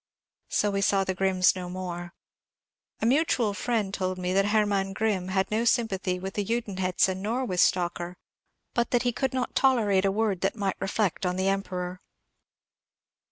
So we saw the Grimms no more. A mutual friend told me that Herman Grrimm had no sympathy with Judenhetze nor with Stocker, but that he could not tolerate a word that might reflect on the Emperor.